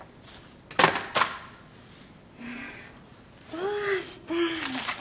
どうして？